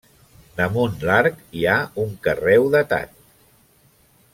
Damunt l'arc hi ha un carreu datat.